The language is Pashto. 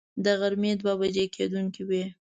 د غرمې دوه بجې کېدونکې وې.